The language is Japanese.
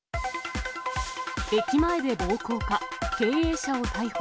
駅前で暴行か、経営者を逮捕。